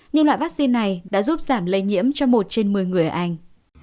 nhưng loại vaccine này đã giúp giảm lây nhiễm cho một trên một mươi người ở anh